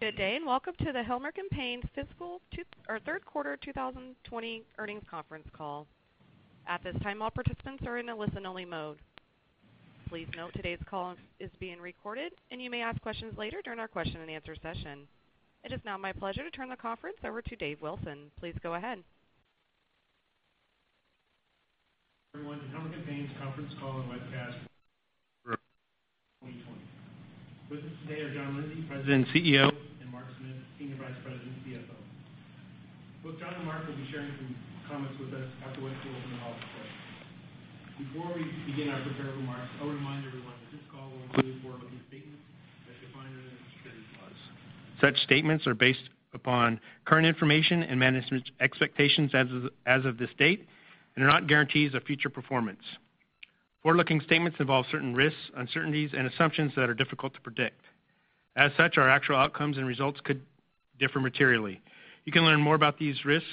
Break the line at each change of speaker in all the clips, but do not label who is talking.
Good day. Welcome to the Helmerich & Payne's Third Quarter 2020 Earnings Conference Call. At this time, all participants are in a listen-only mode. Please note today's call is being recorded, and you may ask questions later during our question and answer session. It is now my pleasure to turn the conference over to Dave Wilson. Please go ahead.
Everyone, the Helmerich & Payne's conference call and webcast 2020. With us today are John Lindsay, President and CEO, and Mark Smith, Senior Vice President and CFO. Both John and Mark will be sharing some comments with us after which we will open the call for questions. Before we begin our prepared remarks, I would remind everyone that this call will include forward-looking statements that define material risks. Such statements are based upon current information and management's expectations as of this date and are not guarantees of future performance. Forward-looking statements involve certain risks, uncertainties, and assumptions that are difficult to predict. As such, our actual outcomes and results could differ materially. You can learn more about these risks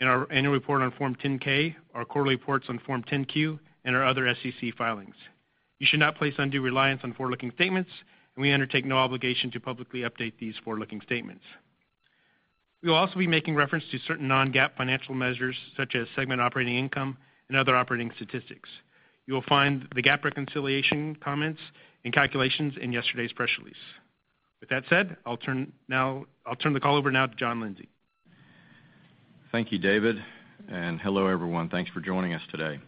in our annual report on Form 10-K, our quarterly reports on Form 10-Q, and our other SEC filings. You should not place undue reliance on forward-looking statements, and we undertake no obligation to publicly update these forward-looking statements. We will also be making reference to certain non-GAAP financial measures such as segment operating income and other operating statistics. You will find the GAAP reconciliation comments and calculations in yesterday's press release. With that said, I'll turn the call over now to John Lindsay.
Thank you, David. Hello, everyone. Thanks for joining us today.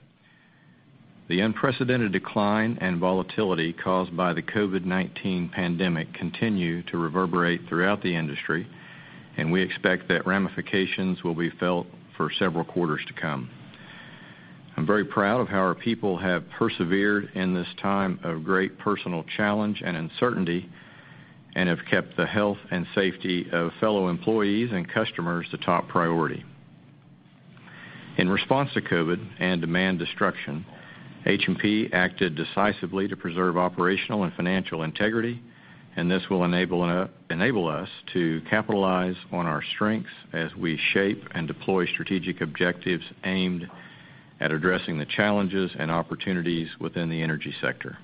The unprecedented decline and volatility caused by the COVID-19 pandemic continue to reverberate throughout the industry, and we expect that ramifications will be felt for several quarters to come. I'm very proud of how our people have persevered in this time of great personal challenge and uncertainty and have kept the health and safety of fellow employees and customers the top priority. In response to COVID-19 and demand destruction, H&P acted decisively to preserve operational and financial integrity, and this will enable us to capitalize on our strengths as we shape and deploy strategic objectives aimed at addressing the challenges and opportunities within the energy sector.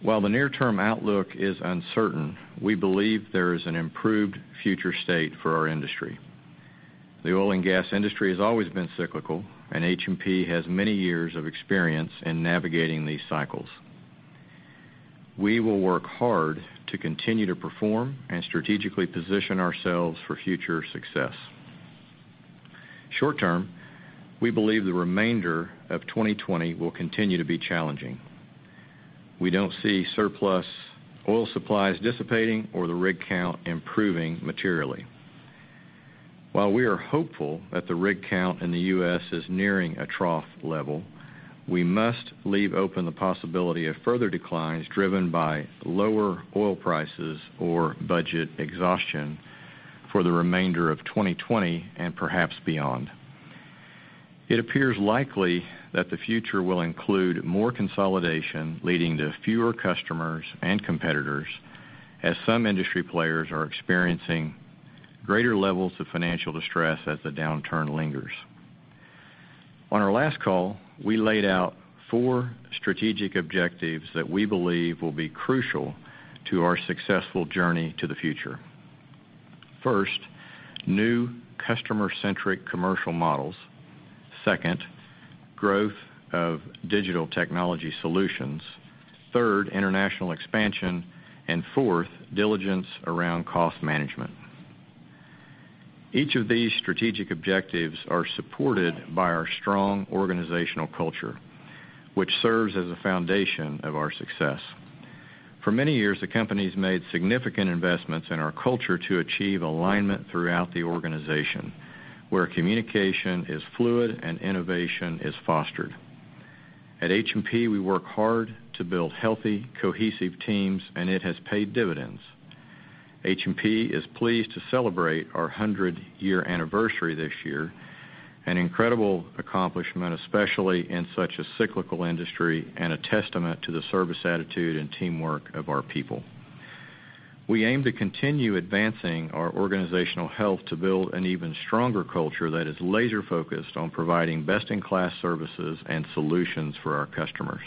While the near-term outlook is uncertain, we believe there is an improved future state for our industry. The oil and gas industry has always been cyclical, and H&P has many years of experience in navigating these cycles. We will work hard to continue to perform and strategically position ourselves for future success. Short-term, we believe the remainder of 2020 will continue to be challenging. We don't see surplus oil supplies dissipating or the rig count improving materially. While we are hopeful that the rig count in the U.S. is nearing a trough level, we must leave open the possibility of further declines driven by lower oil prices or budget exhaustion for the remainder of 2020 and perhaps beyond. It appears likely that the future will include more consolidation, leading to fewer customers and competitors as some industry players are experiencing greater levels of financial distress as the downturn lingers. On our last call, we laid out four strategic objectives that we believe will be crucial to our successful journey to the future. First, new customer-centric commercial models. Second, growth of digital technology solutions. Third, international expansion. Fourth, diligence around cost management. Each of these strategic objectives are supported by our strong organizational culture, which serves as a foundation of our success. For many years, the company's made significant investments in our culture to achieve alignment throughout the organization, where communication is fluid and innovation is fostered. At H&P, we work hard to build healthy, cohesive teams, and it has paid dividends. H&P is pleased to celebrate our 100-year anniversary this year, an incredible accomplishment, especially in such a cyclical industry and a testament to the service attitude and teamwork of our people. We aim to continue advancing our organizational health to build an even stronger culture that is laser-focused on providing best-in-class services and solutions for our customers.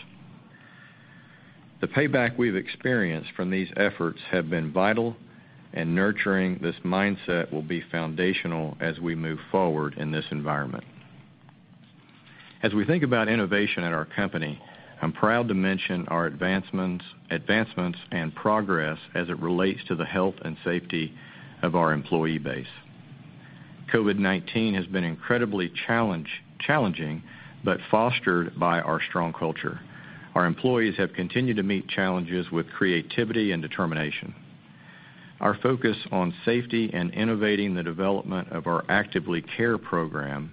The payback we've experienced from these efforts have been vital and nurturing this mindset will be foundational as we move forward in this environment. As we think about innovation at our company, I'm proud to mention our advancements and progress as it relates to the health and safety of our employee base. COVID-19 has been incredibly challenging, but fostered by our strong culture. Our employees have continued to meet challenges with creativity and determination. Our focus on safety and innovating the development of our Actively C.A.R.E. program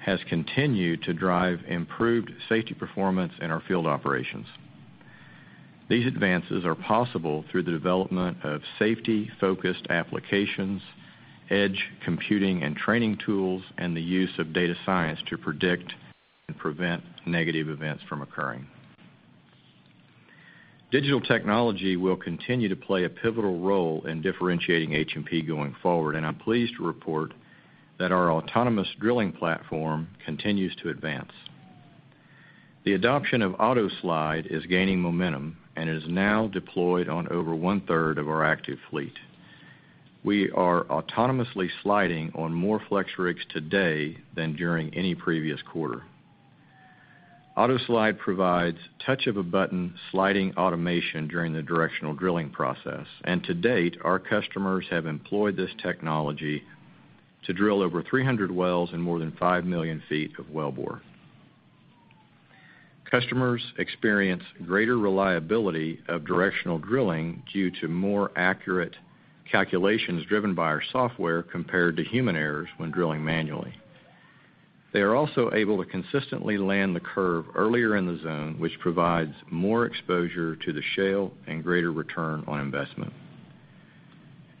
has continued to drive improved safety performance in our field operations. These advances are possible through the development of safety-focused applications, edge computing and training tools, and the use of data science to predict and prevent negative events from occurring. Digital technology will continue to play a pivotal role in differentiating H&P going forward, and I'm pleased to report that our autonomous drilling platform continues to advance. The adoption of AutoSlide is gaining momentum and is now deployed on over one-third of our active fleet. We are autonomously sliding on more FlexRigs today than during any previous quarter. AutoSlide provides touch-of-a-button sliding automation during the directional drilling process. To date, our customers have employed this technology to drill over 300 wells and more than five million feet of wellbore. Customers experience greater reliability of directional drilling due to more accurate calculations driven by our software compared to human errors when drilling manually. They are also able to consistently land the curve earlier in the zone, which provides more exposure to the shale and greater return on investment.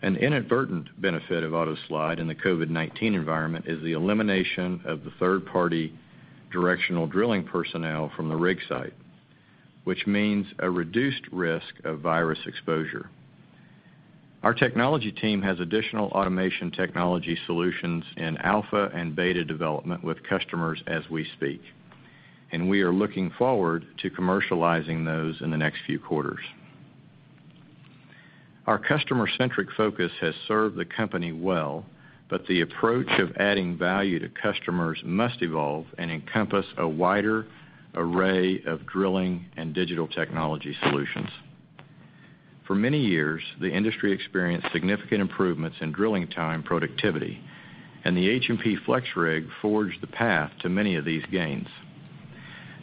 An inadvertent benefit of AutoSlide in the COVID-19 environment is the elimination of the third-party directional drilling personnel from the rig site, which means a reduced risk of virus exposure. Our technology team has additional automation technology solutions in alpha and beta development with customers as we speak, and we are looking forward to commercializing those in the next few quarters. Our customer-centric focus has served the company well, but the approach of adding value to customers must evolve and encompass a wider array of drilling and digital technology solutions. For many years, the industry experienced significant improvements in drilling time productivity, and the H&P FlexRig forged the path to many of these gains.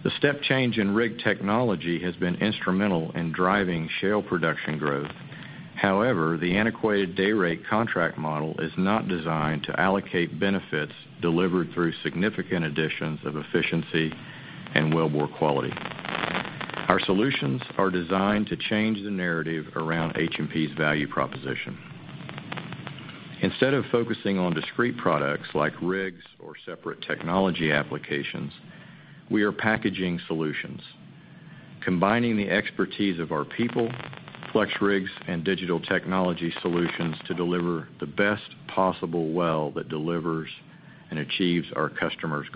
The step change in rig technology has been instrumental in driving shale production growth. The antiquated day rate contract model is not designed to allocate benefits delivered through significant additions of efficiency and wellbore quality. Our solutions are designed to change the narrative around H&P's value proposition. Instead of focusing on discrete products like rigs or separate technology applications, we are packaging solutions. Combining the expertise of our people, FlexRigs, and digital technology solutions to deliver the best possible well that delivers and achieves our customers'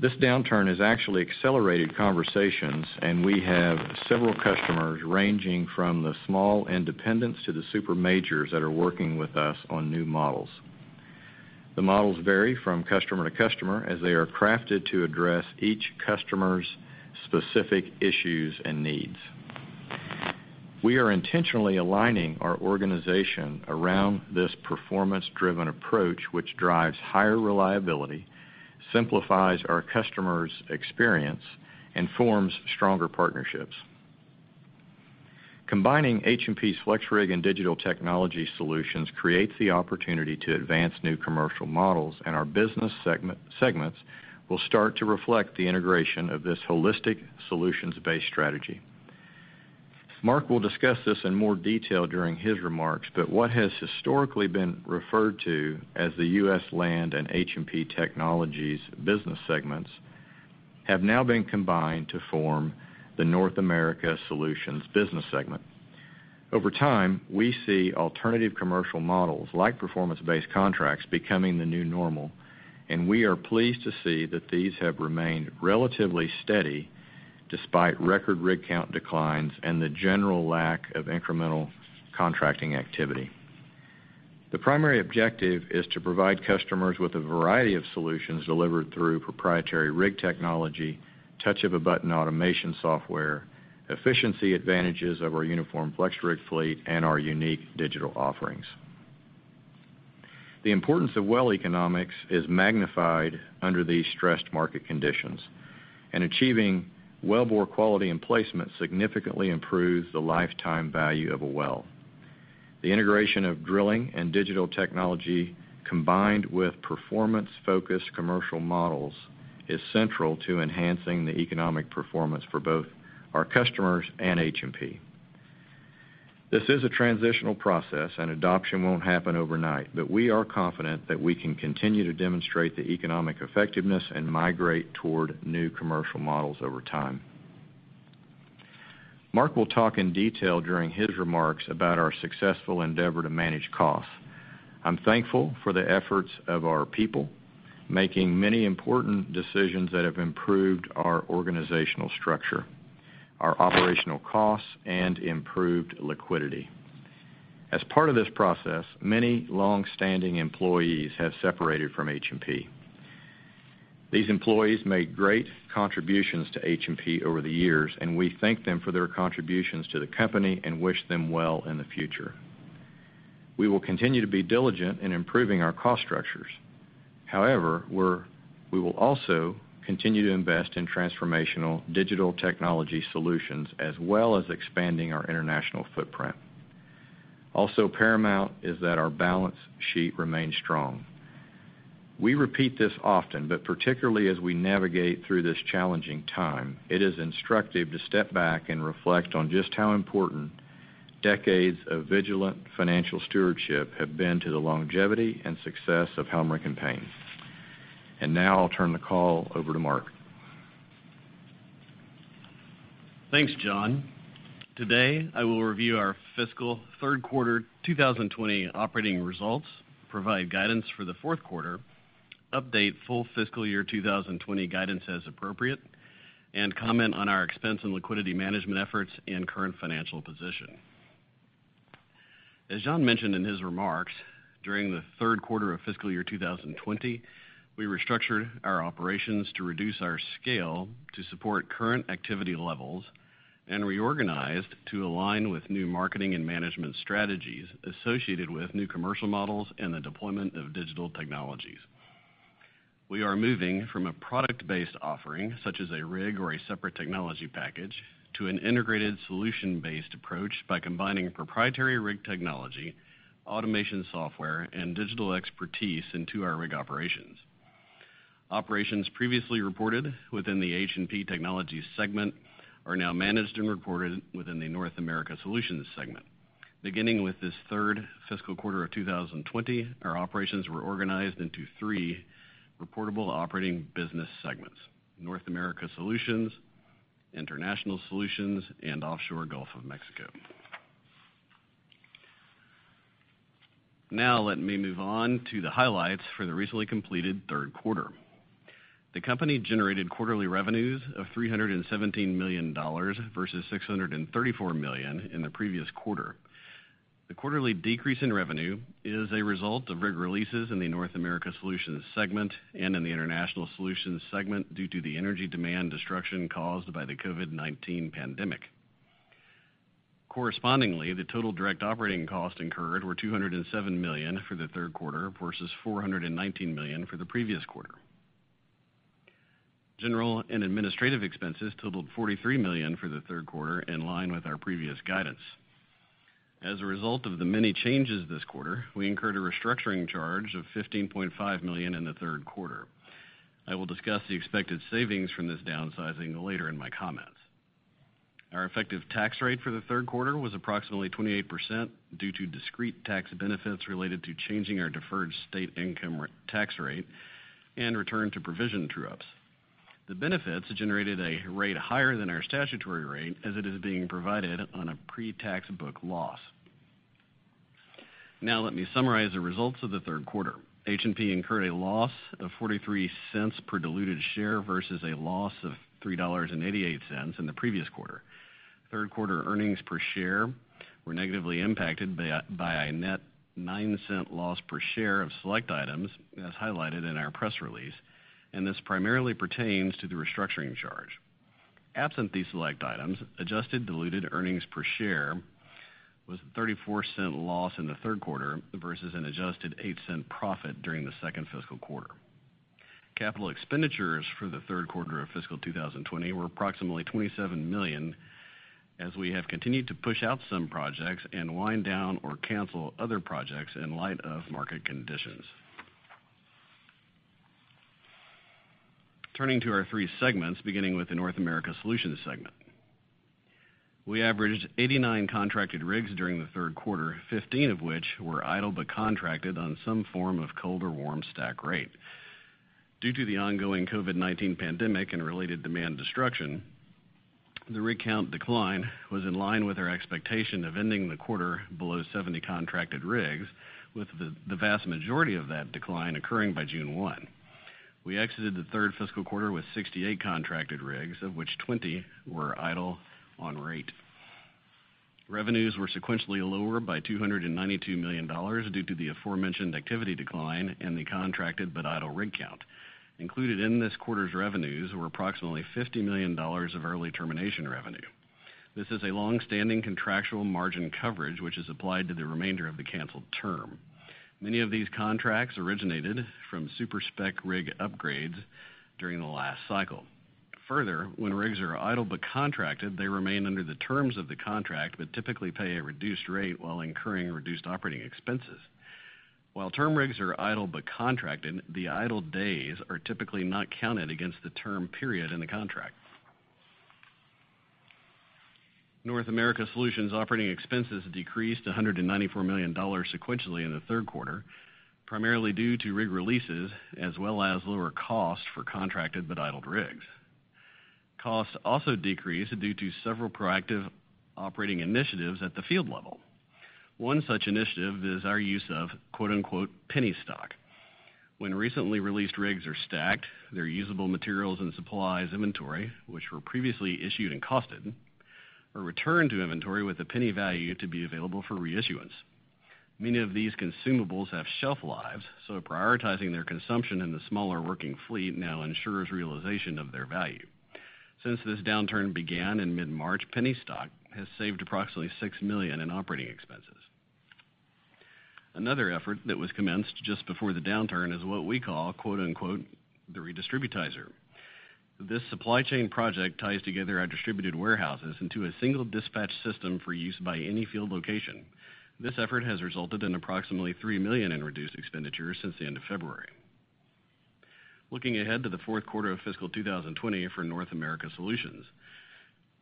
goals. This downturn has actually accelerated conversations, and we have several customers, ranging from the small independents to the super majors that are working with us on new models. The models vary from customer to customer as they are crafted to address each customer's specific issues and needs. We are intentionally aligning our organization around this performance-driven approach, which drives higher reliability, simplifies our customers' experience, and forms stronger partnerships. Our business segments will start to reflect the integration of this holistic, solutions-based strategy. Mark will discuss this in more detail during his remarks, what has historically been referred to as the U.S. Land and H&P Technologies business segments have now been combined to form the North America Solutions business segment. Over time, we see alternative commercial models like performance-based contracts becoming the new normal, we are pleased to see that these have remained relatively steady despite record rig count declines and the general lack of incremental contracting activity. The primary objective is to provide customers with a variety of solutions delivered through proprietary rig technology, touch-of-a-button automation software, efficiency advantages of our uniform FlexRig fleet, and our unique digital offerings. The importance of well economics is magnified under these stressed market conditions, and achieving wellbore quality and placement significantly improves the lifetime value of a well. The integration of drilling and digital technology, combined with performance-focused commercial models, is central to enhancing the economic performance for both our customers and H&P. This is a transitional process and adoption won't happen overnight, but we are confident that we can continue to demonstrate the economic effectiveness and migrate toward new commercial models over time. Mark will talk in detail during his remarks about our successful endeavor to manage costs. I'm thankful for the efforts of our people, making many important decisions that have improved our organizational structure, our operational costs, and improved liquidity. As part of this process, many longstanding employees have separated from H&P. These employees made great contributions to H&P over the years, and we thank them for their contributions to the company and wish them well in the future. We will continue to be diligent in improving our cost structures. We will also continue to invest in transformational digital technology solutions, as well as expanding our international footprint. Paramount is that our balance sheet remains strong. We repeat this often, particularly as we navigate through this challenging time, it is instructive to step back and reflect on just how important decades of vigilant financial stewardship have been to the longevity and success of Helmerich & Payne. Now I'll turn the call over to Mark.
Thanks, John. Today, I will review our fiscal third quarter 2020 operating results, provide guidance for the fourth quarter, update full fiscal year 2020 guidance as appropriate, and comment on our expense and liquidity management efforts and current financial position. As John mentioned in his remarks, during the third quarter of fiscal year 2020, we restructured our operations to reduce our scale to support current activity levels and reorganized to align with new marketing and management strategies associated with new commercial models and the deployment of digital technologies. We are moving from a product-based offering, such as a rig or a separate technology package, to an integrated solution-based approach by combining proprietary rig technology, automation software, and digital expertise into our rig operations. Operations previously reported within the H&P Technologies segment are now managed and reported within the North America Solutions segment. Beginning with this third fiscal quarter of 2020, our operations were organized into three reportable operating business segments: North America Solutions, International Solutions, and Offshore Gulf of Mexico. Let me move on to the highlights for the recently completed third quarter. The company generated quarterly revenues of $317 million versus $634 million in the previous quarter. The quarterly decrease in revenue is a result of rig releases in the North America Solutions segment and in the International Solutions segment due to the energy demand destruction caused by the COVID-19 pandemic. Correspondingly, the total direct operating costs incurred were $207 million for the third quarter versus $419 million for the previous quarter. General and administrative expenses totaled $43 million for the third quarter, in line with our previous guidance. As a result of the many changes this quarter, we incurred a restructuring charge of $15.5 million in the third quarter. I will discuss the expected savings from this downsizing later in my comments. Our effective tax rate for the third quarter was approximately 28% due to discrete tax benefits related to changing our deferred state income tax rate and return to provision true-ups. The benefits generated a rate higher than our statutory rate as it is being provided on a pre-tax book loss. Let me summarize the results of the third quarter. H&P incurred a loss of $0.43 per diluted share versus a loss of $3.88 in the previous quarter. Third quarter earnings per share were negatively impacted by a net $0.09 loss per share of select items, as highlighted in our press release, and this primarily pertains to the restructuring charge. Absent these select items, adjusted diluted earnings per share was a $0.34 loss in the third quarter versus an adjusted $0.08 profit during the second fiscal quarter. Capital expenditures for the third quarter of fiscal 2020 were approximately $27 million, as we have continued to push out some projects and wind down or cancel other projects in light of market conditions. Turning to our three segments, beginning with the North America Solutions segment. We averaged 89 contracted rigs during the third quarter, 15 of which were idle but contracted on some form of cold or warm stack rate. Due to the ongoing COVID-19 pandemic and related demand destruction, the rig count decline was in line with our expectation of ending the quarter below 70 contracted rigs, with the vast majority of that decline occurring by June 1. We exited the third fiscal quarter with 68 contracted rigs, of which 20 were idle on rate. Revenues were sequentially lower by $292 million due to the aforementioned activity decline and the contracted but idle rig count. Included in this quarter's revenues were approximately $50 million of early termination revenue. This is a long-standing contractual margin coverage, which is applied to the remainder of the canceled term. Many of these contracts originated from super-spec rig upgrades during the last cycle. Further, when rigs are idle but contracted, they remain under the terms of the contract but typically pay a reduced rate while incurring reduced operating expenses. While term rigs are idle but contracted, the idle days are typically not counted against the term period in the contract. North America Solutions operating expenses decreased $194 million sequentially in the third quarter, primarily due to rig releases, as well as lower costs for contracted but idled rigs. Costs also decreased due to several proactive operating initiatives at the field level. One such initiative is our use of, quote, unquote, "penny stock." When recently released rigs are stacked, their usable materials and supplies inventory, which were previously issued and costed, are returned to inventory with a penny value to be available for reissuance. Many of these consumables have shelf lives, so prioritizing their consumption in the smaller working fleet now ensures realization of their value. Since this downturn began in mid-March, penny stock has saved approximately $6 million in operating expenses. Another effort that was commenced just before the downturn is what we call, quote, unquote, "the redistributizer." This supply chain project ties together our distributed warehouses into a single dispatch system for use by any field location. This effort has resulted in approximately $3 million in reduced expenditures since the end of February. Looking ahead to the fourth quarter of fiscal 2020 for North America Solutions.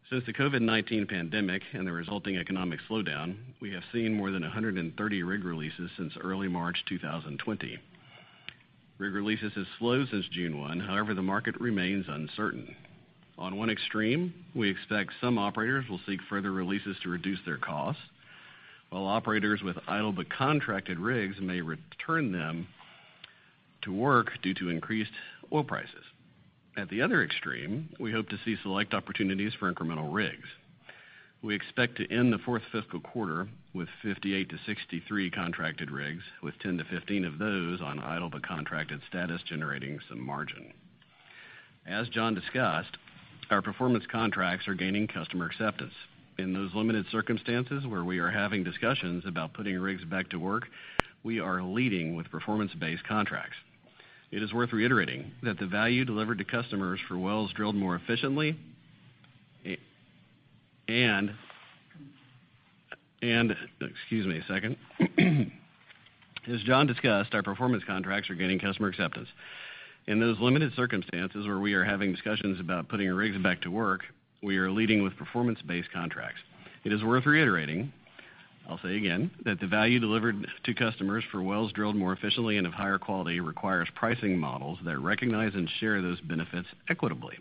Since the COVID-19 pandemic and the resulting economic slowdown, we have seen more than 130 rig releases since early March 2020. Rig releases have slowed since June 1. However, the market remains uncertain. On one extreme, we expect some operators will seek further releases to reduce their costs, while operators with idle but contracted rigs may return them to work due to increased oil prices. At the other extreme, we hope to see select opportunities for incremental rigs. We expect to end the fourth fiscal quarter with 58-63 contracted rigs, with 10-15 of those on idle but contracted status, generating some margin. As John discussed, our performance contracts are gaining customer acceptance. In those limited circumstances where we are having discussions about putting rigs back to work, we are leading with performance-based contracts. It is worth reiterating, I'll say again, that the value delivered to customers for wells drilled more efficiently and of higher quality requires pricing models that recognize and share those benefits equitably.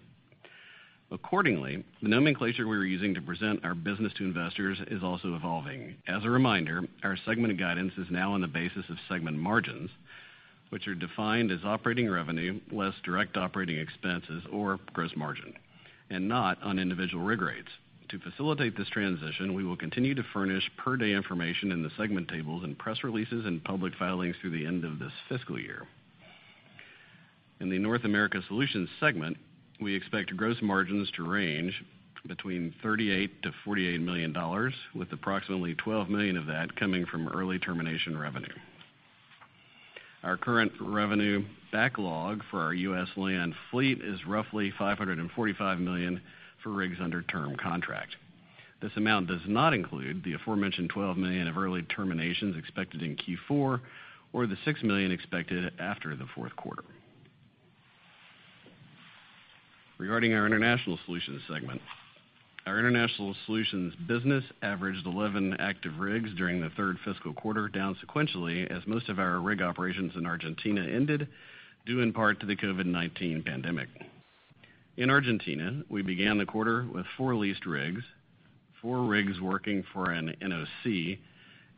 Accordingly, the nomenclature we're using to present our business to investors is also evolving. As a reminder, our segmented guidance is now on the basis of segment margins, which are defined as operating revenue less direct operating expenses or gross margin, and not on individual rig rates. To facilitate this transition, we will continue to furnish per-day information in the segment tables and press releases and public filings through the end of this fiscal year. In the North America Solutions segment, we expect gross margins to range between $38 million-$48 million, with approximately $12 million of that coming from early termination revenue. Our current revenue backlog for our U.S. Land fleet is roughly $545 million for rigs under term contract. This amount does not include the aforementioned $12 million of early terminations expected in Q4, or the $6 million expected after the fourth quarter. Regarding our International Solutions segment, our International Solutions business averaged 11 active rigs during the third fiscal quarter, down sequentially as most of our rig operations in Argentina ended, due in part to the COVID-19 pandemic. In Argentina, we began the quarter with four leased rigs, four rigs working for an NOC,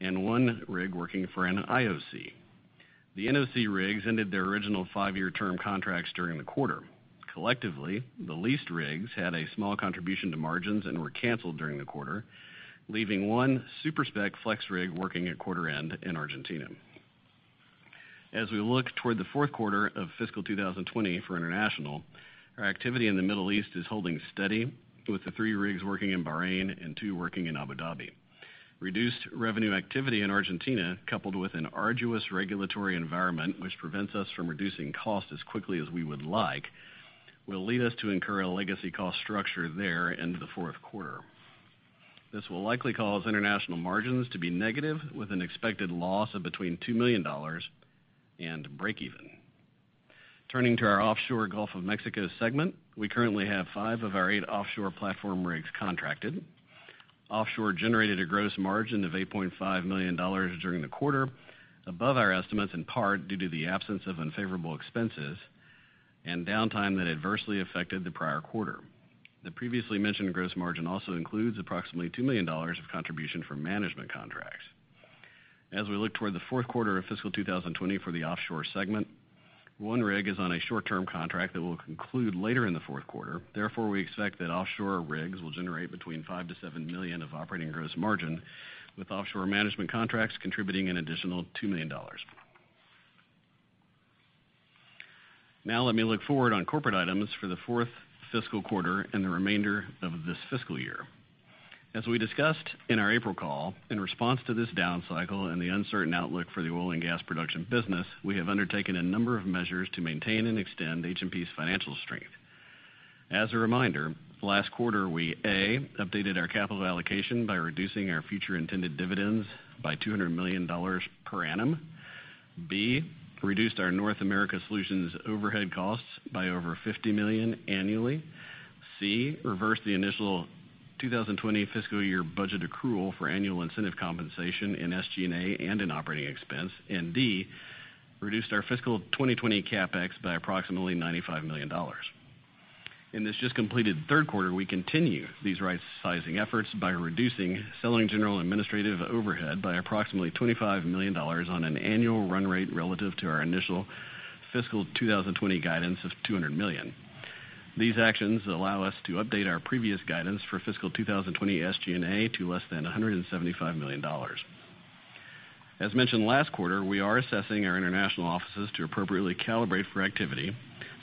and one rig working for an IOC. The NOC rigs ended their original five-year term contracts during the quarter. Collectively, the leased rigs had a small contribution to margins and were canceled during the quarter, leaving one super-spec FlexRig working at quarter-end in Argentina. As we look toward the fourth quarter of fiscal 2020 for International, our activity in the Middle East is holding steady with the three rigs working in Bahrain and two working in Abu Dhabi. Reduced revenue activity in Argentina, coupled with an arduous regulatory environment which prevents us from reducing costs as quickly as we would like, will lead us to incur a legacy cost structure there into the fourth quarter. This will likely cause International Solutions margins to be negative, with an expected loss of between $2 million and breakeven. Turning to our Offshore Gulf of Mexico segment, we currently have five of our eight offshore platform rigs contracted. Offshore generated a gross margin of $8.5 million during the quarter, above our estimates, in part due to the absence of unfavorable expenses and downtime that adversely affected the prior quarter. The previously mentioned gross margin also includes approximately $2 million of contribution from offshore management contracts. As we look toward the fourth quarter of fiscal 2020 for the offshore segment, one rig is on a short-term contract that will conclude later in the fourth quarter. Therefore, we expect that offshore rigs will generate between $5 million-$7 million of operating gross margin, with offshore management contracts contributing an additional $2 million. Let me look forward on corporate items for the fourth fiscal quarter and the remainder of this fiscal year. As we discussed in our April call, in response to this down cycle and the uncertain outlook for the oil and gas production business, we have undertaken a number of measures to maintain and extend H&P's financial strength. As a reminder, last quarter, we, A, updated our capital allocation by reducing our future intended dividends by $200 million per annum. B, reduced our North America Solutions overhead costs by over $150 million annually. C, reversed the initial 2020 fiscal year budget accrual for annual incentive compensation in SG&A and in operating expense. D, reduced our fiscal 2020 CapEx by approximately $95 million. In this just completed third quarter, we continue these right-sizing efforts by reducing selling general administrative overhead by approximately $25 million on an annual run rate relative to our initial fiscal 2020 guidance of $200 million. These actions allow us to update our previous guidance for fiscal 2020 SG&A to less than $175 million. As mentioned last quarter, we are assessing our international offices to appropriately calibrate for activity.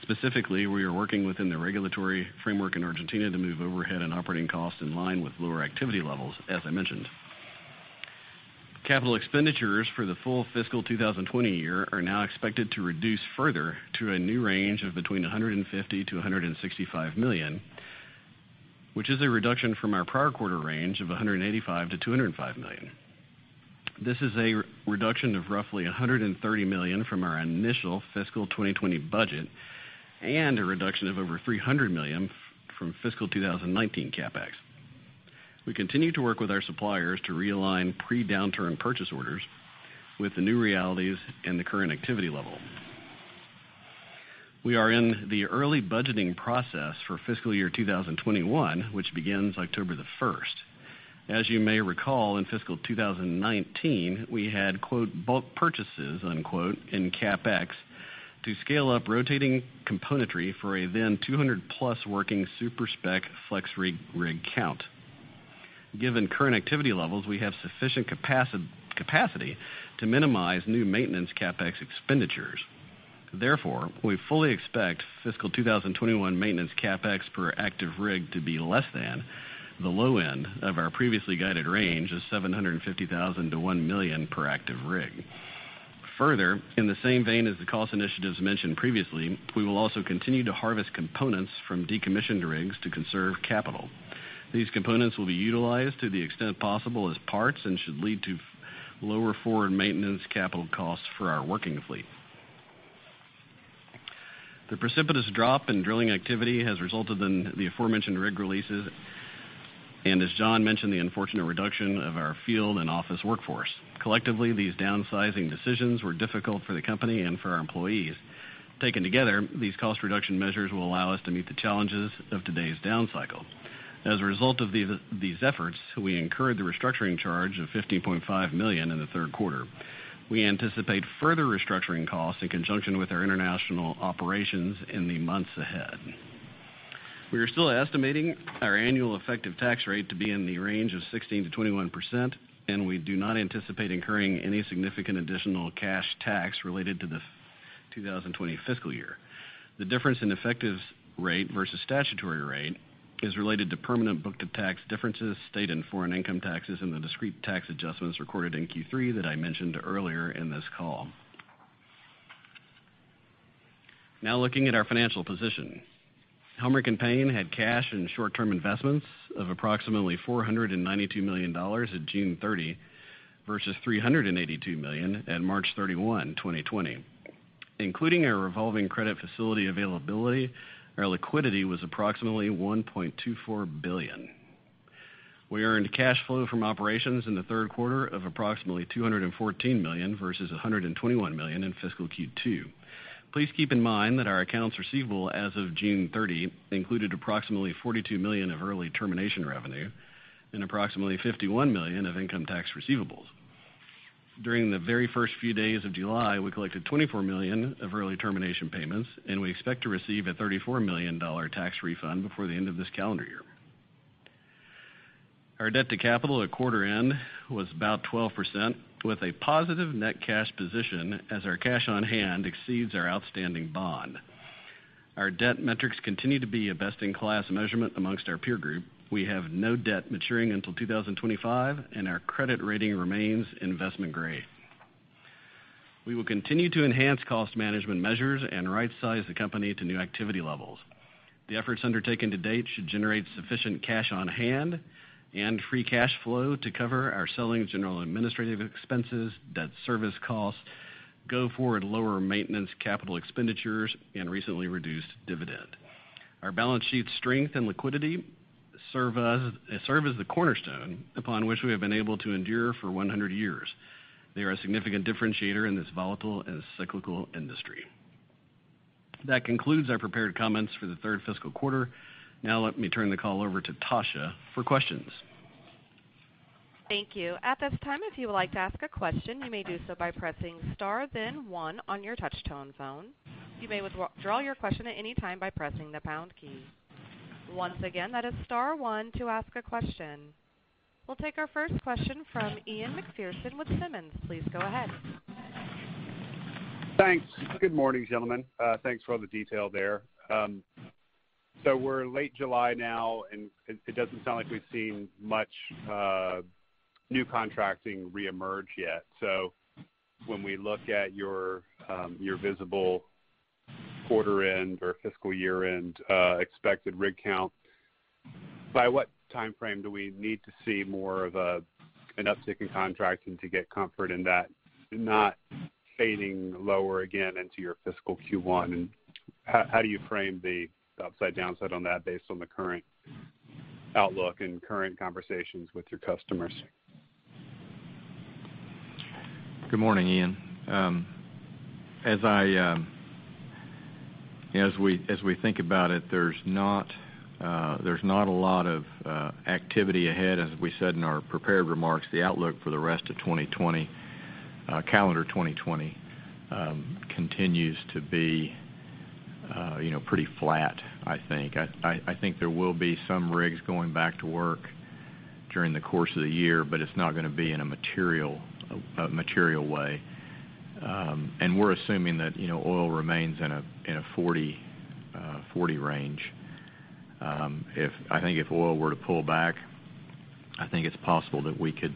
Specifically, we are working within the regulatory framework in Argentina to move overhead and operating costs in line with lower activity levels, as I mentioned. Capital expenditures for the full fiscal 2020 year are now expected to reduce further to a new range of between $150 million-$165 million, which is a reduction from our prior quarter range of $185 million-$205 million. This is a reduction of roughly $130 million from our initial fiscal 2020 budget and a reduction of over $300 million from fiscal 2019 CapEx. We continue to work with our suppliers to realign pre-downturn purchase orders with the new realities and the current activity level. We are in the early budgeting process for fiscal year 2021, which begins October the 1st. As you may recall, in fiscal 2019, we had, quote, bulk purchases, unquote, in CapEx to scale up rotating componentry for a then 200-plus working super-spec FlexRig count. Given current activity levels, we have sufficient capacity to minimize new maintenance CapEx expenditures. We fully expect fiscal 2021 maintenance CapEx per active rig to be less than the low end of our previously guided range of $750,000-$1 million per active rig. In the same vein as the cost initiatives mentioned previously, we will also continue to harvest components from decommissioned rigs to conserve capital. These components will be utilized to the extent possible as parts and should lead to lower forward maintenance capital costs for our working fleet. The precipitous drop in drilling activity has resulted in the aforementioned rig releases, and as John mentioned, the unfortunate reduction of our field and office workforce. Collectively, these downsizing decisions were difficult for the company and for our employees. Taken together, these cost reduction measures will allow us to meet the challenges of today's down cycle. As a result of these efforts, we incurred the restructuring charge of $15.5 million in the third quarter. We anticipate further restructuring costs in conjunction with our international operations in the months ahead. We are still estimating our annual effective tax rate to be in the range of 16%-21%, and we do not anticipate incurring any significant additional cash tax related to the 2020 fiscal year. The difference in effective rate versus statutory rate is related to permanent book-to-tax differences, state and foreign income taxes, and the discrete tax adjustments recorded in Q3 that I mentioned earlier in this call. Now looking at our financial position. Helmerich & Payne had cash and short-term investments of approximately $492 million at June 30 versus $382 million at March 31, 2020. Including our revolving credit facility availability, our liquidity was approximately $1.24 billion. We earned cash flow from operations in the third quarter of approximately $214 million versus $121 million in fiscal Q2. Please keep in mind that our accounts receivable as of June 30 included approximately $42 million of early termination revenue and approximately $51 million of income tax receivables. During the very first few days of July, we collected $24 million of early termination payments, and we expect to receive a $34 million tax refund before the end of this calendar year. Our debt to capital at quarter end was about 12%, with a positive net cash position, as our cash on hand exceeds our outstanding bond. Our debt metrics continue to be a best-in-class measurement amongst our peer group. We have no debt maturing until 2025, and our credit rating remains investment grade. We will continue to enhance cost management measures and rightsize the company to new activity levels. The efforts undertaken to date should generate sufficient cash on hand and free cash flow to cover our selling, general administrative expenses, debt service costs, go forward lower maintenance capital expenditures, and recently reduced dividend. Our balance sheet strength and liquidity serve as the cornerstone upon which we have been able to endure for 100 years. They're a significant differentiator in this volatile and cyclical industry. That concludes our prepared comments for the third fiscal quarter. Let me turn the call over to Tasha for questions.
Thank you. At this time, if you would like to ask a question, you may do so by pressing star then one on your touch-tone phone. You may withdraw your question at any time by pressing the pound key. Once again, that is star one to ask a question. We'll take our first question from Ian Macpherson with Simmons Energy. Please go ahead.
Thanks. Good morning, gentlemen. Thanks for all the detail there. We're late July now, and it doesn't sound like we've seen much new contracting reemerge yet. When we look at your visible quarter end or fiscal year-end expected rig count, by what timeframe do we need to see more of an uptick in contracting to get comfort in that not fading lower again into your fiscal Q1? How do you frame the upside downside on that based on the current outlook and current conversations with your customers?
Good morning, Ian. As we think about it, there's not a lot of activity ahead. As we said in our prepared remarks, the outlook for the rest of calendar 2020 continues to be pretty flat, I think. I think there will be some rigs going back to work during the course of the year, but it's not going to be in a material way. We're assuming that oil remains in a $40 range. I think if oil were to pull back, I think it's possible that we could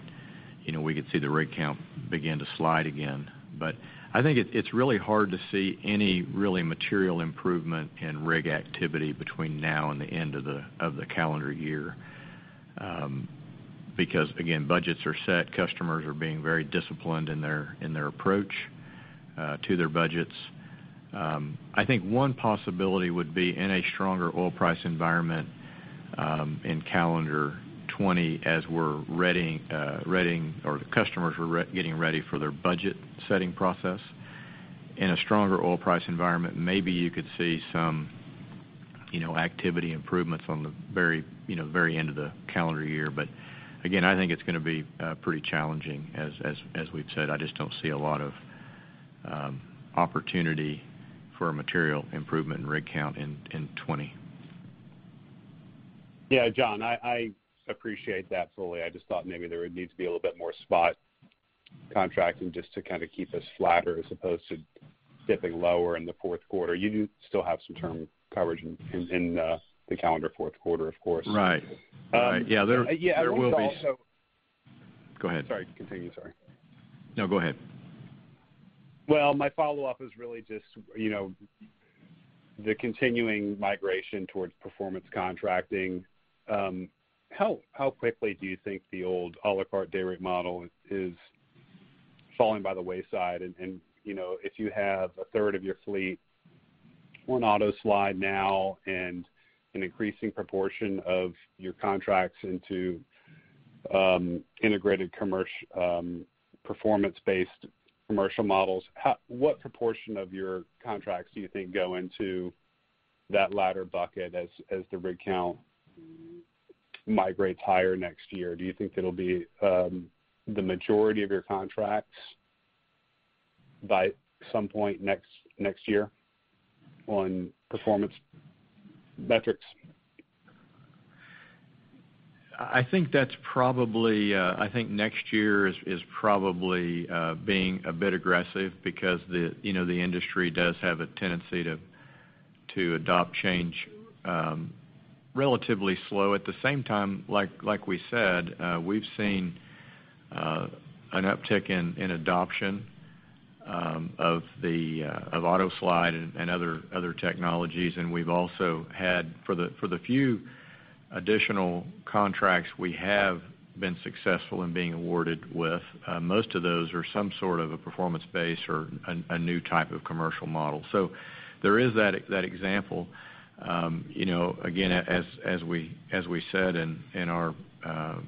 see the rig count begin to slide again. I think it's really hard to see any really material improvement in rig activity between now and the end of the calendar year. Because again, budgets are set. Customers are being very disciplined in their approach. To their budgets. I think one possibility would be in a stronger oil price environment in calendar 2020, as the customers were getting ready for their budget-setting process. In a stronger oil price environment, maybe you could see some activity improvements on the very end of the calendar year. Again, I think it's going to be pretty challenging, as we've said. I just don't see a lot of opportunity for a material improvement in rig count in 2020.
John, I appreciate that fully. I just thought maybe there would need to be a little bit more spot contracting just to kind of keep us flatter as opposed to dipping lower in the fourth quarter. You do still have some term coverage in the calendar fourth quarter, of course.
Right. There will.
Yeah.
Go ahead.
Sorry. Continue. Sorry.
No, go ahead.
Well, my follow-up is really just the continuing migration towards performance contracting. How quickly do you think the old a la carte dayrate model is falling by the wayside? If you have a third of your fleet on AutoSlide now and an increasing proportion of your contracts into integrated performance-based commercial models, what proportion of your contracts do you think go into that latter bucket as the rig count migrates higher next year? Do you think it'll be the majority of your contracts by some point next year on performance metrics?
I think next year is probably being a bit aggressive because the industry does have a tendency to adopt change relatively slow. At the same time, like we said, we've seen an uptick in adoption of AutoSlide and other technologies, and we've also had, for the few additional contracts we have been successful in being awarded with, most of those are some sort of a performance-based or a new type of commercial model. There is that example. Again, as we said in our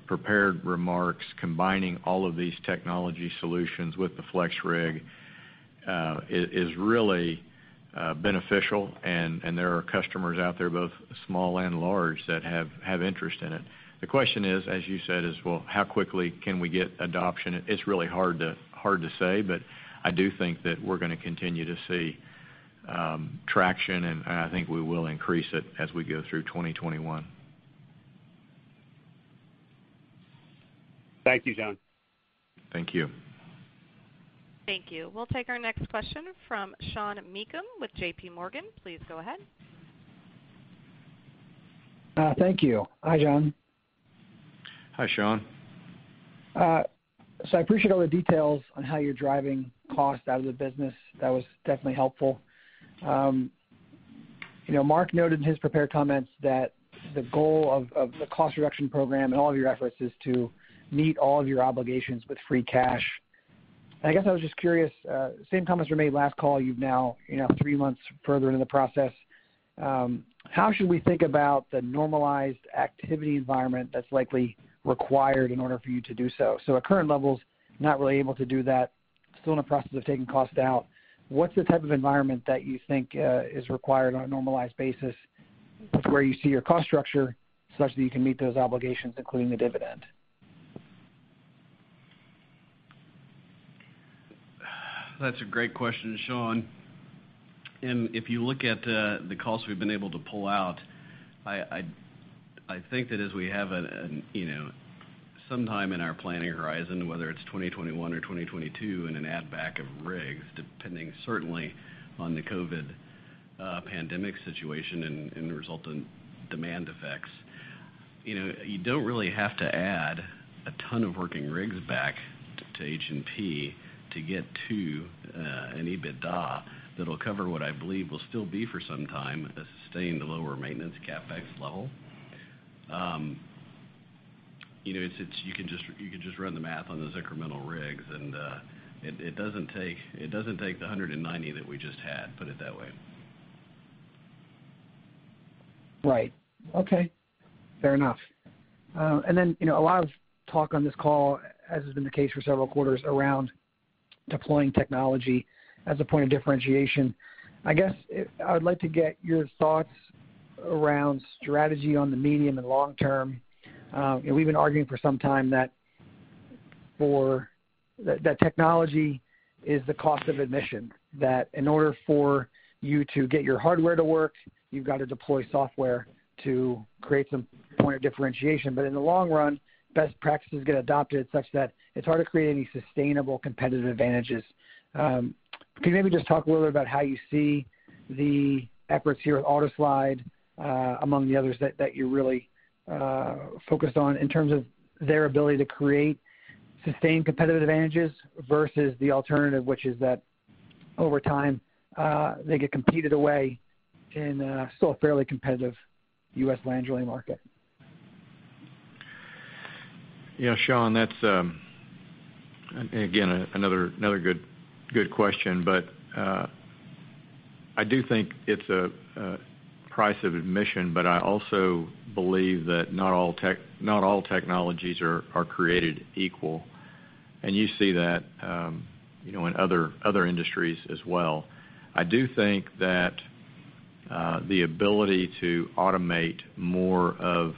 prepared remarks, combining all of these technology solutions with the FlexRig is really beneficial, and there are customers out there, both small and large, that have interest in it. The question is, as you said, is, well, how quickly can we get adoption? It's really hard to say, but I do think that we're going to continue to see traction, and I think we will increase it as we go through 2021.
Thank you, John.
Thank you.
Thank you. We'll take our next question from Sean Meakim with JPMorgan. Please go ahead.
Thank you. Hi, John.
Hi, Sean.
I appreciate all the details on how you're driving cost out of the business. That was definitely helpful. Mark noted in his prepared comments that the goal of the cost reduction program and all of your efforts is to meet all of your obligations with free cash. I guess I was just curious, same comments were made last call, you're now three months further into the process. How should we think about the normalized activity environment that's likely required in order for you to do so? At current levels, not really able to do that, still in the process of taking cost out. What's the type of environment that you think is required on a normalized basis with where you see your cost structure, such that you can meet those obligations, including the dividend?
That's a great question, Sean. If you look at the costs we've been able to pull out, I think that as we have some time in our planning horizon, whether it's 2021 or 2022, in an add back of rigs, depending certainly on the COVID pandemic situation and the resultant demand effects. You don't really have to add a ton of working rigs back to H&P to get to an EBITDA that'll cover what I believe will still be for some time a sustained lower maintenance CapEx level. You could just run the math on those incremental rigs, and it doesn't take the 190 that we just had, put it that way.
Right. Okay. Fair enough. Then, a lot of talk on this call, as has been the case for several quarters, around deploying technology as a point of differentiation. I guess, I would like to get your thoughts around strategy on the medium and long term. We've been arguing for some time that technology is the cost of admission, that in order for you to get your hardware to work, you've got to deploy software to create some point of differentiation. In the long run, best practices get adopted such that it's hard to create any sustainable competitive advantages. Can you maybe just talk a little bit about how you see the efforts here with AutoSlide among the others that you're really focused on in terms of their ability to create sustained competitive advantages versus the alternative, which is that over time, they get competed away in still a fairly competitive U.S. land drilling market?
Yeah, Sean, that's, again, another good question. I do think it's a price of admission, but I also believe that not all technologies are created equal. You see that in other industries as well. I do think that the ability to automate more of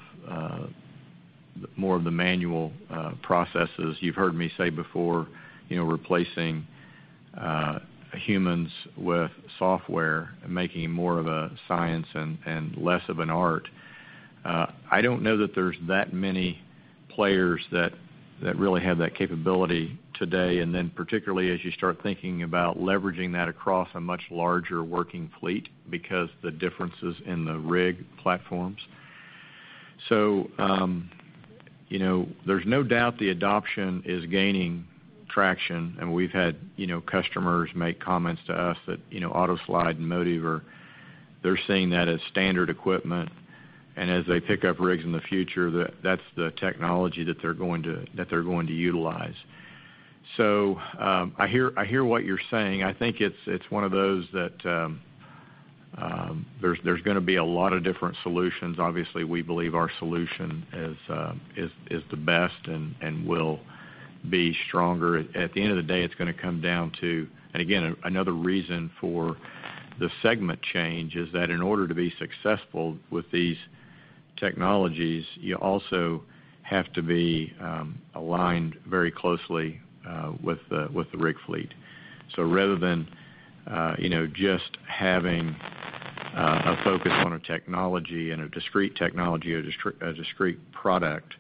the manual processes, you've heard me say before, replacing humans with software and making it more of a science and less of an art. I don't know that there's that many players that really have that capability today, and then particularly as you start thinking about leveraging that across a much larger working fleet, because the differences in the rig platforms. There's no doubt the adoption is gaining traction, and we've had customers make comments to us that AutoSlide and MOTIVE, they're seeing that as standard equipment. As they pick up rigs in the future, that's the technology that they're going to utilize. I hear what you're saying. I think it's one of those that there's going to be a lot of different solutions. Obviously, we believe our solution is the best and will be stronger. At the end of the day, it's going to come down to, and again, another reason for the segment change is that in order to be successful with these technologies, you also have to be aligned very closely with the rig fleet. Rather than just having a focus on a technology and a discrete technology or a discrete product,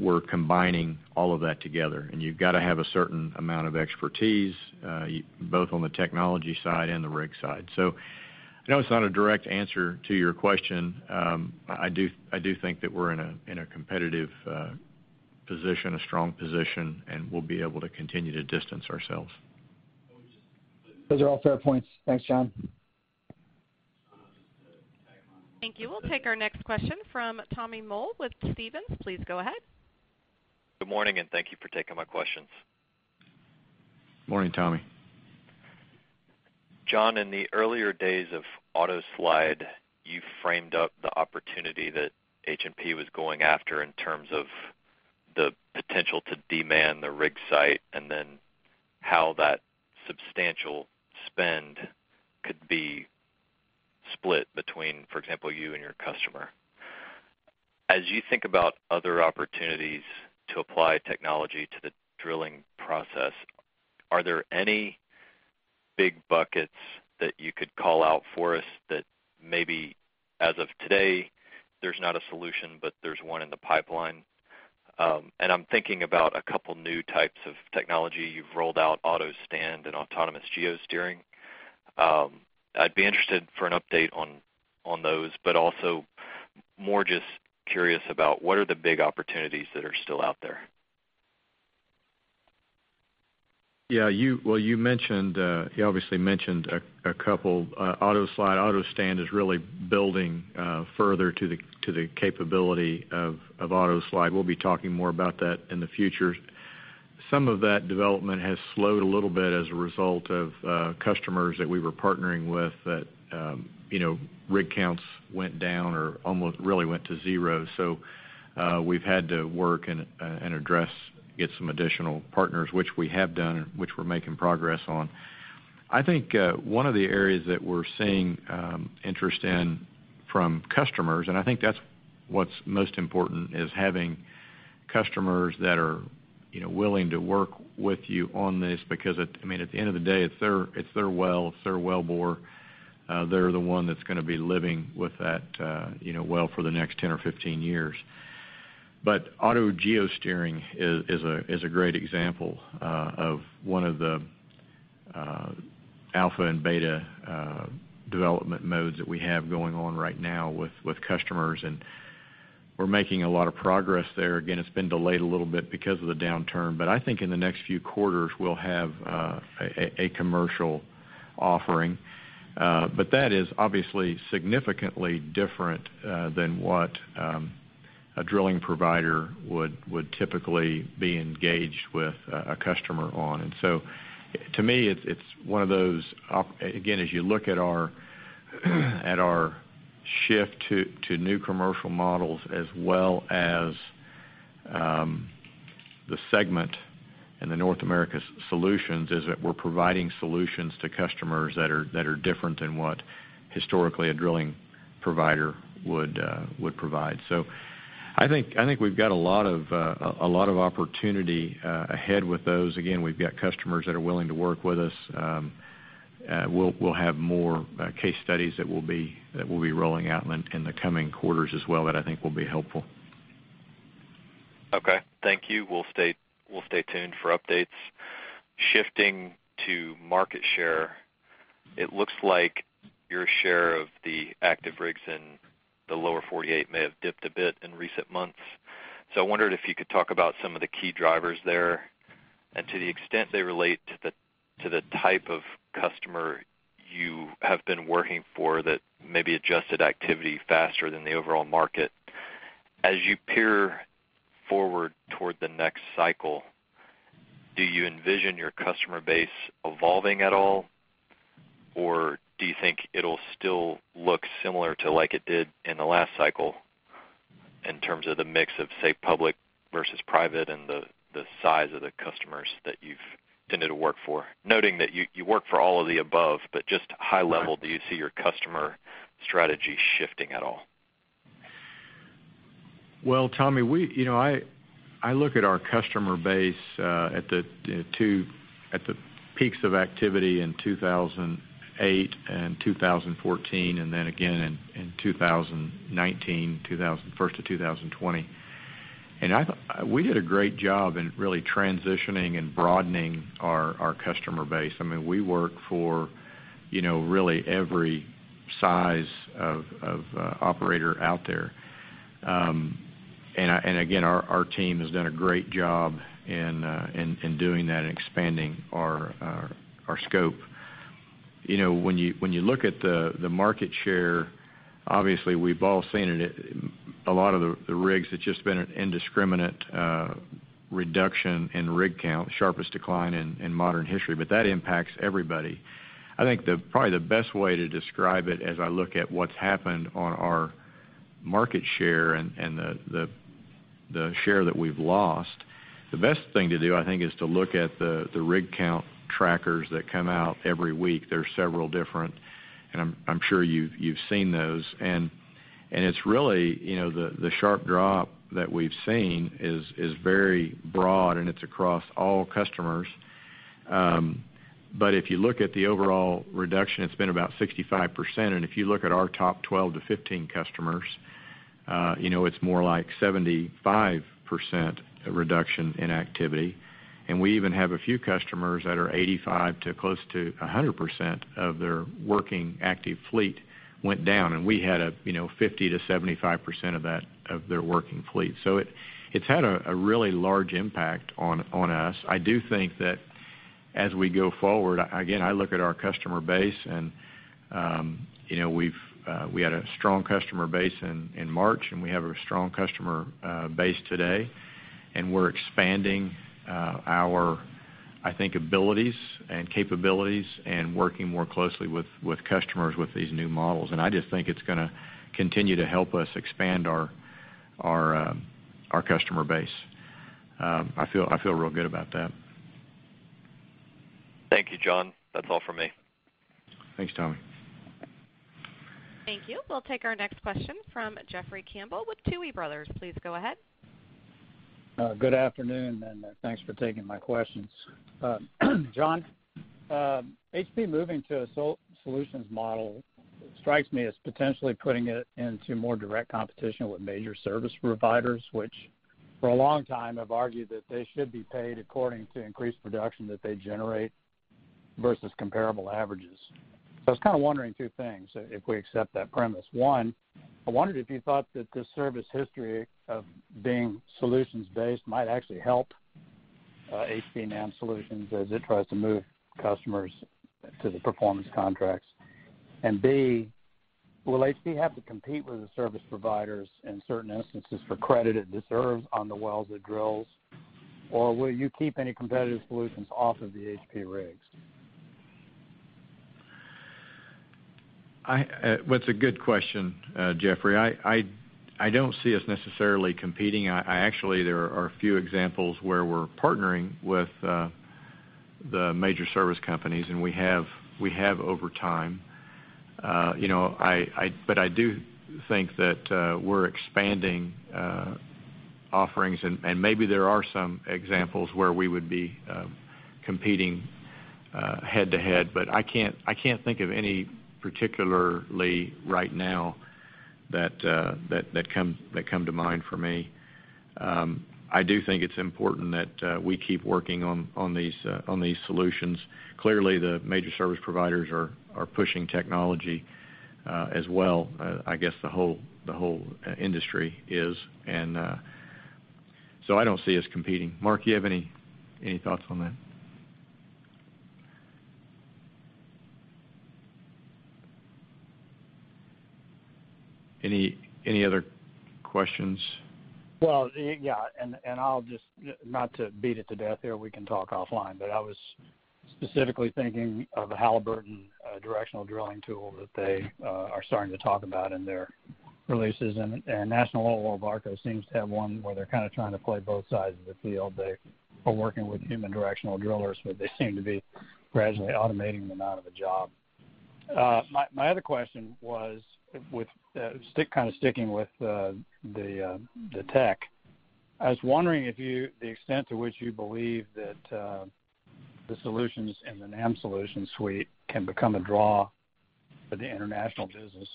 we're combining all of that together, and you've got to have a certain amount of expertise, both on the technology side and the rig side. I know it's not a direct answer to your question. I do think that we're in a competitive position, a strong position, and we'll be able to continue to distance ourselves.
Those are all fair points. Thanks, John.
Thank you. We'll take our next question from Tommy Moll with Stephens. Please go ahead.
Good morning, and thank you for taking my questions.
Morning, Tommy.
John, in the earlier days of AutoSlide, you framed up the opportunity that H&P was going after in terms of the potential to demand the rig site and then how that substantial spend could be split between, for example, you and your customer. As you think about other opportunities to apply technology to the drilling process, are there any big buckets that you could call out for us that maybe as of today, there's not a solution, but there's one in the pipeline? I'm thinking about a couple new types of technology you've rolled out, AutoStand and Automated Geosteering. I'd be interested for an update on those, but also more just curious about what are the big opportunities that are still out there.
Yeah. Well, you obviously mentioned a couple. AutoSlide, AutoStand is really building further to the capability of AutoSlide. We'll be talking more about that in the future. Some of that development has slowed a little bit as a result of customers that we were partnering with that rig counts went down or almost really went to zero. We've had to work and address, get some additional partners, which we have done, and which we're making progress on. I think one of the areas that we're seeing interest in from customers, and I think that's what's most important, is having customers that are willing to work with you on this because at the end of the day, it's their well, it's their well bore. They're the one that's going to be living with that well for the next 10 or 15 years. Automated Geosteering is a great example of one of the alpha and beta development modes that we have going on right now with customers, and we're making a lot of progress there. Again, it's been delayed a little bit because of the downturn, but I think in the next few quarters, we'll have a commercial offering. That is obviously significantly different than what a drilling provider would typically be engaged with a customer on. To me, again, as you look at our shift to new commercial models as well as the segment in the North America Solutions, is that we're providing solutions to customers that are different than what historically a drilling provider would provide. I think we've got a lot of opportunity ahead with those. Again, we've got customers that are willing to work with us. We'll have more case studies that we'll be rolling out in the coming quarters as well, that I think will be helpful.
Okay. Thank you. We'll stay tuned for updates. Shifting to market share, it looks like your share of the active rigs in the lower 48 may have dipped a bit in recent months. I wondered if you could talk about some of the key drivers there. And to the extent they relate to the type of customer you have been working for that maybe adjusted activity faster than the overall market. As you peer forward toward the next cycle, do you envision your customer base evolving at all? Do you think it'll still look similar to like it did in the last cycle in terms of the mix of, say, public versus private and the size of the customers that you've tended to work for? Noting that you work for all of the above, but just high level. Do you see your customer strategy shifting at all?
Well, Tommy, I look at our customer base at the peaks of activity in 2008 and 2014, then again in 2019, first of 2020. We did a great job in really transitioning and broadening our customer base. We work for really every size of operator out there. Again, our team has done a great job in doing that and expanding our scope. When you look at the market share, obviously we've all seen it, a lot of the rigs, it's just been an indiscriminate reduction in rig count, the sharpest decline in modern history. That impacts everybody. I think probably the best way to describe it as I look at what's happened on our market share and the share that we've lost, the best thing to do, I think, is to look at the rig count trackers that come out every week. There are several different, and I'm sure you've seen those. It's really the sharp drop that we've seen is very broad and it's across all customers. If you look at the overall reduction, it's been about 65%. If you look at our top 12-15 customers, it's more like 75% reduction in activity. We even have a few customers that are 85% to close to 100% of their working active fleet went down. We had a 50%-75% of their working fleet. It's had a really large impact on us. I do think that as we go forward, again, I look at our customer base, and we had a strong customer base in March, and we have a strong customer base today. We're expanding our, I think, abilities and capabilities and working more closely with customers with these new models. I just think it's going to continue to help us expand our customer base. I feel real good about that.
Thank you, John. That's all from me.
Thanks, Tommy.
Thank you. We'll take our next question from Jeffrey Campbell with Tuohy Brothers. Please go ahead.
Good afternoon, and thanks for taking my questions. John, H&P moving to a solutions model strikes me as potentially putting it into more direct competition with major service providers, which for a long time have argued that they should be paid according to increased production that they generate versus comparable averages. I was kind of wondering two things, if we accept that premise. One, I wondered if you thought that this service history of being solutions based might actually help H&P NAM Solutions as it tries to move customers to the performance contracts. B, will H&P have to compete with the service providers in certain instances for credit it deserves on the wells it drills? Or will you keep any competitive solutions off of the H&P rigs?
That's a good question, Jeffrey. I don't see us necessarily competing. Actually, there are a few examples where we're partnering with the major service companies, and we have over time. I do think that we're expanding offerings, and maybe there are some examples where we would be competing head-to-head. I can't think of any particularly right now that come to mind for me. I do think it's important that we keep working on these solutions. Clearly, the major service providers are pushing technology as well. I guess the whole industry is. I don't see us competing. Mark, you have any thoughts on that? Any other questions?
Well, yeah. I'll just, not to beat it to death here, we can talk offline, but I was specifically thinking of the Halliburton directional drilling tool that they are starting to talk about in their releases. National Oilwell Varco seems to have one where they're kind of trying to play both sides of the field. They are working with human directional drillers, but they seem to be gradually automating them out of a job. My other question was kind of sticking with the tech. I was wondering the extent to which you believe that the solutions in the NAM Solutions suite can become a draw for the International business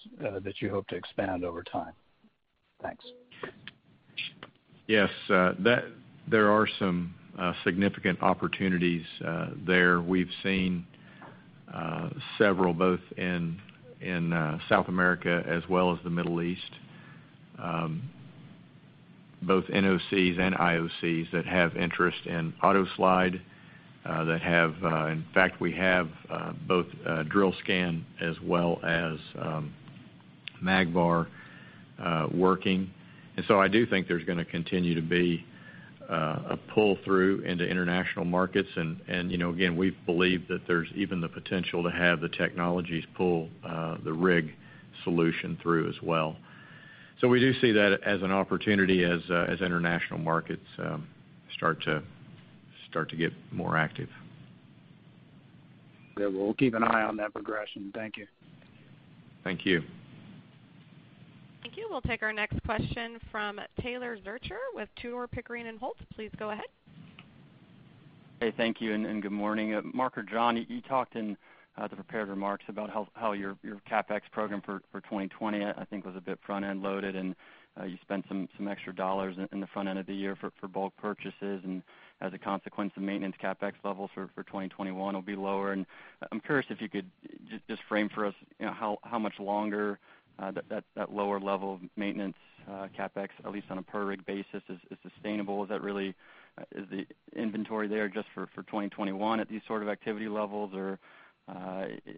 that you hope to expand over time. Thanks.
Yes. There are some significant opportunities there. We've seen several, both in South America as well as the Middle East, both NOCs and IOCs that have interest in AutoSlide. In fact, we have both DrillScan as well as MagVAR working. I do think there's going to continue to be a pull-through into international markets, and again, we believe that there's even the potential to have the technologies pull the rig solution through as well. We do see that as an opportunity as international markets start to get more active.
Yeah. Well, we'll keep an eye on that progression. Thank you.
Thank you.
Thank you. We'll take our next question from Taylor Zurcher with Tudor, Pickering, Holt. Please go ahead.
Hey, thank you, good morning. Mark or John, you talked in the prepared remarks about how your CapEx program for 2020, I think, was a bit front-end loaded, and you spent some extra dollars in the front end of the year for bulk purchases, and as a consequence, the maintenance CapEx levels for 2021 will be lower. I'm curious if you could just frame for us how much longer that lower level of maintenance CapEx, at least on a per rig basis, is sustainable. Is the inventory there just for 2021 at these sort of activity levels, or does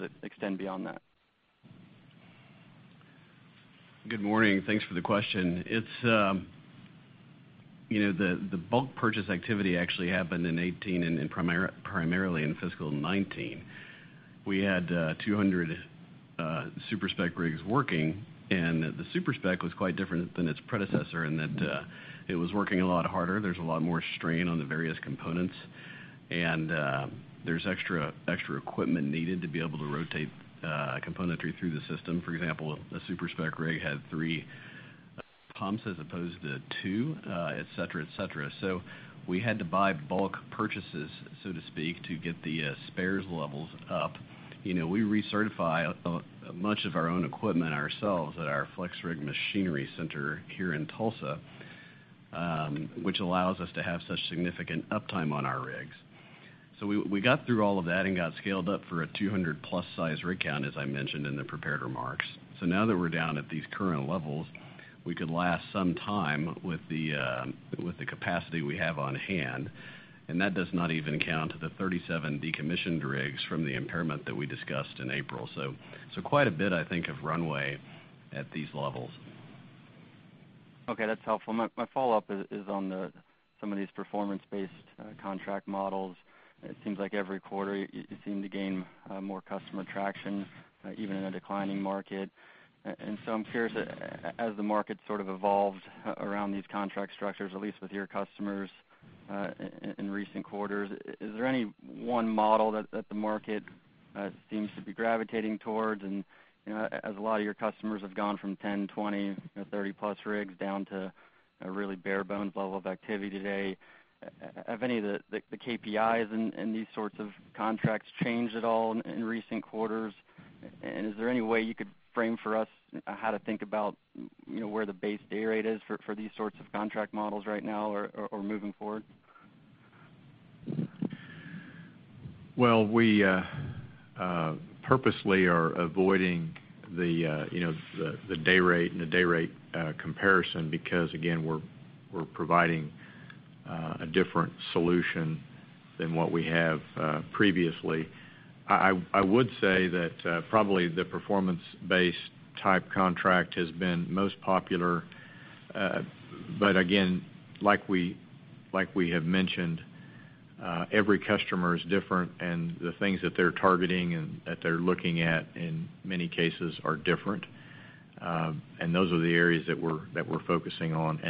it extend beyond that?
Good morning. Thanks for the question. The bulk purchase activity actually happened in 2018 and primarily in fiscal 2019. We had 200 super-spec rigs working, and the super-spec was quite different than its predecessor in that it was working a lot harder. There's a lot more strain on the various components, and there's extra equipment needed to be able to rotate componentry through the system. For example, a super-spec rig had three pumps as opposed to two, et cetera. We had to buy bulk purchases, so to speak, to get the spares levels up. We recertify much of our own equipment ourselves at our FlexRig Machinery Center here in Tulsa, which allows us to have such significant uptime on our rigs. We got through all of that and got scaled up for a 200-plus size rig count, as I mentioned in the prepared remarks. Now that we're down at these current levels, we could last some time with the capacity we have on hand, and that does not even count the 37 decommissioned rigs from the impairment that we discussed in April. Quite a bit, I think, of runway at these levels.
Okay. That's helpful. My follow-up is on some of these performance-based contract models. It seems like every quarter you seem to gain more customer traction, even in a declining market. I'm curious, as the market sort of evolves around these contract structures, at least with your customers in recent quarters, is there any one model that the market seems to be gravitating towards? As a lot of your customers have gone from 10, 20, 30-plus rigs down to a really bare bones level of activity today, have any of the KPIs in these sorts of contracts changed at all in recent quarters? Is there any way you could frame for us how to think about where the base day rate is for these sorts of contract models right now or moving forward?
We purposely are avoiding the day rate and the day rate comparison because, again, we're providing a different solution than what we have previously. Again, like we have mentioned, every customer is different, and the things that they're targeting and that they're looking at, in many cases, are different. Those are the areas that we're focusing on.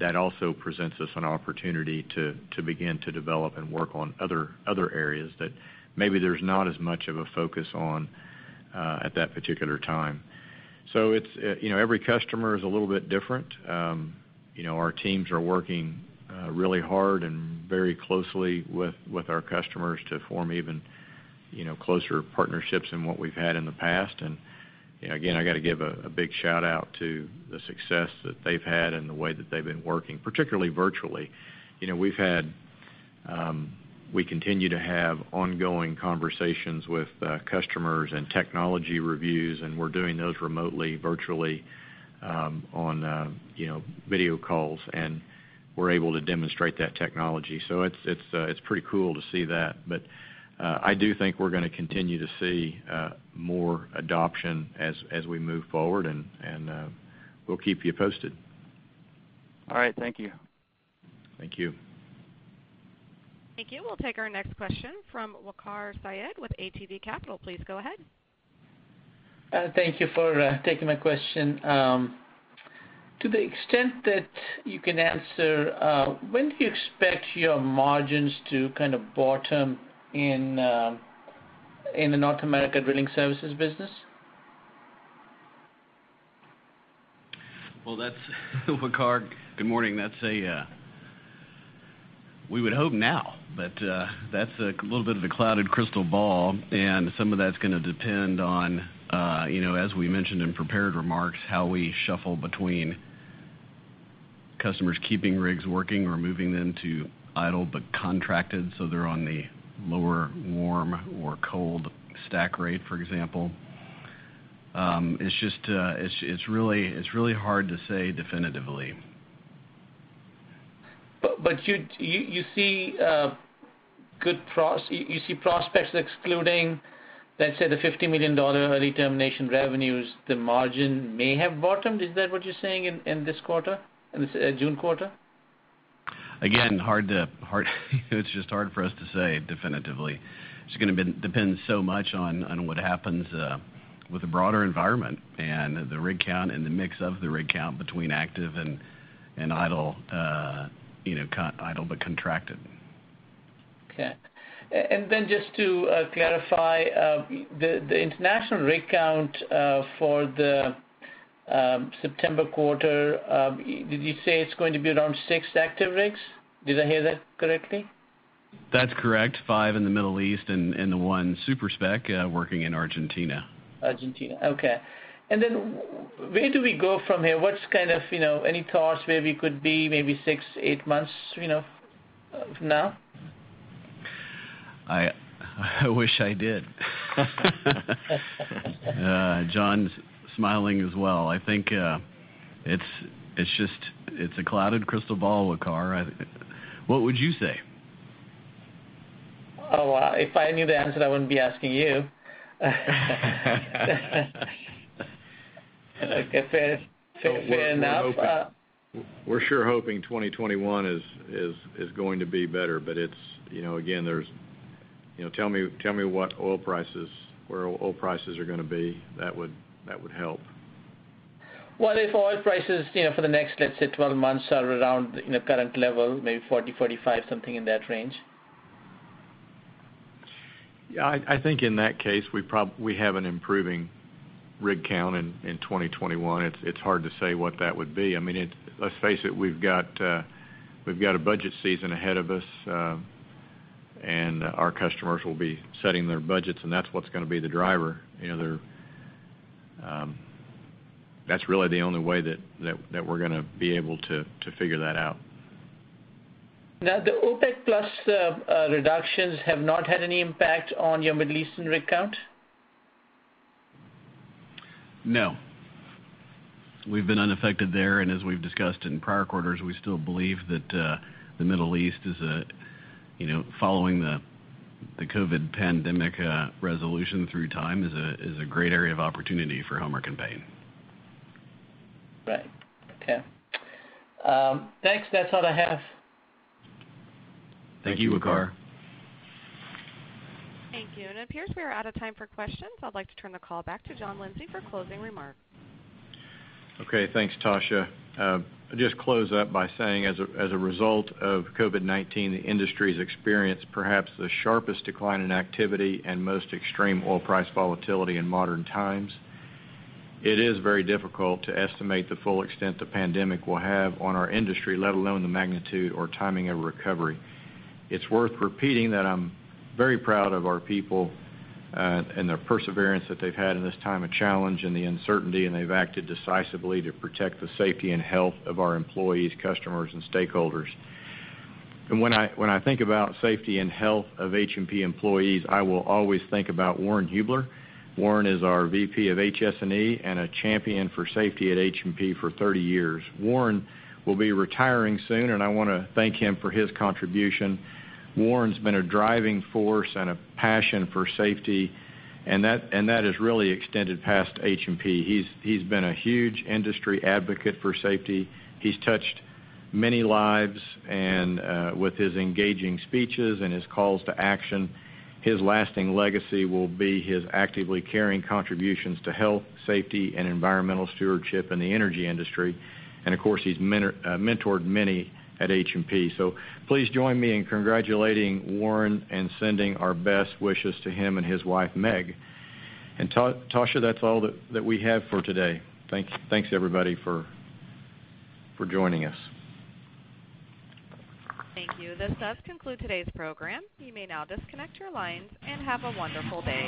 That also presents us an opportunity to begin to develop and work on other areas that maybe there's not as much of a focus on at that particular time. Every customer is a little bit different. Our teams are working really hard and very closely with our customers to form even closer partnerships than what we've had in the past. Again, I got to give a big shout-out to the success that they've had and the way that they've been working, particularly virtually. We continue to have ongoing conversations with customers and technology reviews, and we're doing those remotely, virtually on video calls, and we're able to demonstrate that technology. It's pretty cool to see that. I do think we're going to continue to see more adoption as we move forward, and we'll keep you posted.
All right. Thank you.
Thank you.
Thank you. We'll take our next question from Waqar Syed with ATB Capital. Please go ahead.
Thank you for taking my question. To the extent that you can answer, when do you expect your margins to kind of bottom in the North America drilling services business?
Well, Waqar, good morning. We would hope now. That's a little bit of a clouded crystal ball, and some of that's going to depend on, as we mentioned in prepared remarks, how we shuffle between customers keeping rigs working or moving them to idle but contracted, so they're on the lower warm or cold stack rate, for example. It's really hard to say definitively.
You see prospects excluding, let's say, the $50 million early termination revenues, the margin may have bottomed? Is that what you're saying in this June quarter?
It's just hard for us to say definitively. It's going to depend so much on what happens with the broader environment and the rig count and the mix of the rig count between active and idle, but contracted.
Okay. Then just to clarify, the International rig count for the September quarter, did you say it is going to be around six active rigs? Did I hear that correctly?
That's correct. Five in the Middle East and the one super-spec working in Argentina.
Argentina. Okay. Where do we go from here? Any thoughts where we could be maybe six, eight months from now?
I wish I did. John's smiling as well. I think it's a clouded crystal ball, Waqar. What would you say?
Oh, if I knew the answer, I wouldn't be asking you.
We're sure hoping 2021 is going to be better. Again, tell me what oil prices are going to be, that would help.
What if oil prices for the next, let's say, 12 months are around current level, maybe $40, $45, something in that range?
I think in that case, we have an improving rig count in 2021. It's hard to say what that would be. Let's face it, we've got a budget season ahead of us, and our customers will be setting their budgets, and that's what's going to be the driver. That's really the only way that we're going to be able to figure that out.
Now, the OPEC Plus reductions have not had any impact on your Middle Eastern rig count?
No. We've been unaffected there. As we've discussed in prior quarters, we still believe that the Middle East is, following the COVID pandemic resolution through time, is a great area of opportunity for Helmerich & Payne.
Right. Okay. Thanks. That's all I have.
Thank you, Waqar.
Thank you. It appears we are out of time for questions. I'd like to turn the call back to John Lindsay for closing remarks.
Okay. Thanks, Tasha. I'll just close that by saying, as a result of COVID-19, the industry's experienced perhaps the sharpest decline in activity and most extreme oil price volatility in modern times. It is very difficult to estimate the full extent the pandemic will have on our industry, let alone the magnitude or timing of recovery. It's worth repeating that I'm very proud of our people and their perseverance that they've had in this time of challenge and the uncertainty, they've acted decisively to protect the safety and health of our employees, customers, and stakeholders. When I think about safety and health of H&P employees, I will always think about Warren Hubler. Warren is our VP of HS&E and a champion for safety at H&P for 30 years. Warren will be retiring soon, I want to thank him for his contribution. Warren's been a driving force and a passion for safety, and that has really extended past H&P. He's been a huge industry advocate for safety. He's touched many lives, and with his engaging speeches and his calls to action, his lasting legacy will be his Actively C.A.R.E. contributions to health, safety, and environmental stewardship in the energy industry. Of course, he's mentored many at H&P. Please join me in congratulating Warren and sending our best wishes to him and his wife, Meg. Tasha, that's all that we have for today. Thanks everybody for joining us.
Thank you. This does conclude today's program. You may now disconnect your lines, and have a wonderful day.